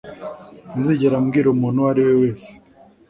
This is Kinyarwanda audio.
Sinzigera mbwira umuntu uwo ari we wese.